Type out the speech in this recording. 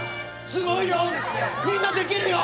すごいよ！